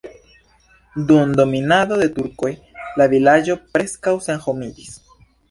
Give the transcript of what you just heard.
Dun dominado de turkoj la vilaĝo preskaŭ senhomiĝis.